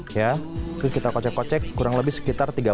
terus kita kocek kocek kurang lebih sekitar tiga puluh